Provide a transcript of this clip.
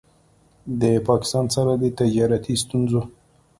د پاکستان سره د تجارتي ستونځو